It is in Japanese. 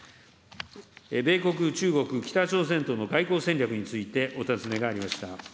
米国、中国、北朝鮮との外交戦略についてお尋ねがありました。